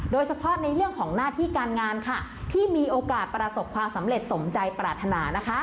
โดยเฉพาะในเรื่องของหน้าที่การงานค่ะที่มีโอกาสประสบความสำเร็จสมใจปรารถนา